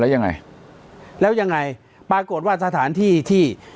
แล้วยังไงแล้วยังไงปรากฏว่าสถานที่ที่